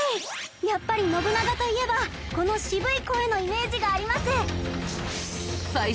やっぱり信長といえばこの渋い声のイメージがあります。